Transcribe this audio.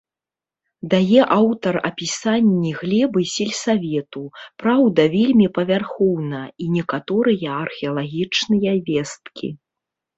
Дае аўтар апісанні глебы сельсавету, праўда, вельмі павярхоўна, і некаторыя археалагічныя весткі.